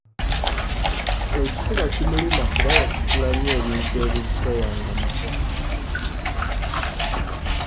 Ekifuba kimuluma kuba yasitula nnyo ebintu ebizitowa nga muto.